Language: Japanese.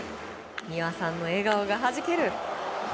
美和さんの笑顔がはじける。